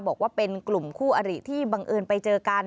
บอกว่าเป็นกลุ่มคู่อริที่บังเอิญไปเจอกัน